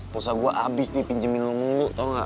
pulsa gue abis dipinjemin lo mulu tau gak